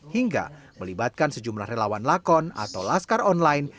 hingga melibatkan sejumlah relawan lakon atau laskar online